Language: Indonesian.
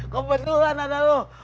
kok betulan ada lu